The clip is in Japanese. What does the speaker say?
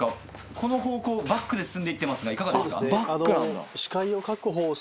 この方向バックで進んで行ってますがいかがですか？